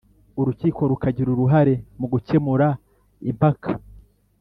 Urukiko rukagira uruhare mu gukemura impakai